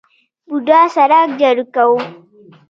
بوډا سرک جارو کاوه.